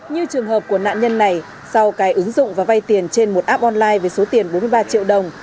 như trường hợp của nạn nhân này sau cái ứng dụng và vay tiền trên một app online với số tiền bốn mươi ba triệu đồng